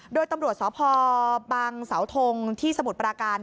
โดยตำรวจสพบังเสาทงที่สมุทรปราการ